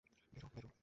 বেরোও, বেরোও!